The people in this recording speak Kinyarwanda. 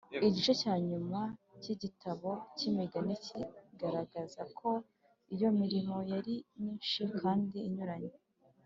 Igice cya nyuma cy igitabo cy Imigani kigaragaza ko iyo mirimo yari myinshi kandi inyuranye